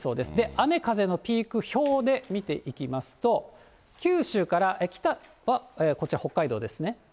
雨風のピーク、表で見ていきますと、九州から北はこちら、北海道ですね。